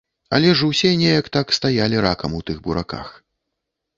Але ж усе неяк так стаялі ракам у тых бураках.